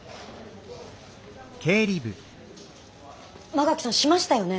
馬垣さんしましたよね？